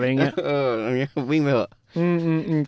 เออวิ่งไปเถอะ